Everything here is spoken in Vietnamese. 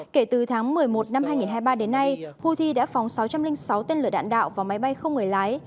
kể từ tháng một mươi một năm hai nghìn hai mươi ba đến nay houthi đã phóng sáu trăm linh sáu tên lửa đạn đạo và máy bay không người lái